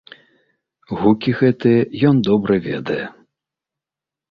Гукі гэтыя ён добра ведае!